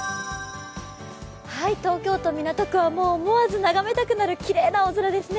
東京都港区はもう思わず眺めたくなるきれいな青空ですね。